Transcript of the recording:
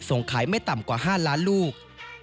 ส่งขายไม่ต่ำกว่า๕ล้านลูก